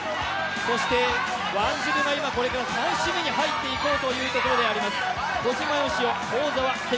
そしてワンジルがこれから３周目に入っていこうというところです。